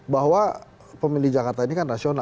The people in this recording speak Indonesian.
bahwa pemilih jakarta ini kan rasional